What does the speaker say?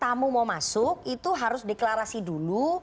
tamu mau masuk itu harus deklarasi dulu